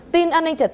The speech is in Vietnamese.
tìn an nanh trả tự